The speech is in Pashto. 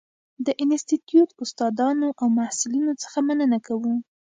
د انسټیټوت استادانو او محصلینو څخه مننه کوو.